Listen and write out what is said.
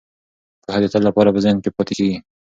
پوهه د تل لپاره په ذهن کې پاتې کیږي.